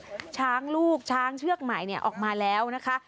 ช้างลูกช้างเชือกใหม่ออกมาแล้วนะคะ